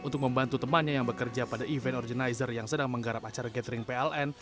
tia bekerja pada event organizer yang sedang menggarap acara gathering pln